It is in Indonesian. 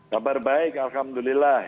kabar baik alhamdulillah